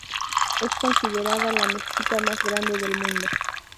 Es considerada la mezquita más grande del mundo.